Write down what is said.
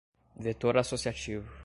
vetor associativo